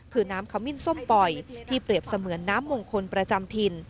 คือน้ำขมิ้นส้มป่อยที่เปรียบเสมือนน้ำมงคลประจำถิ่น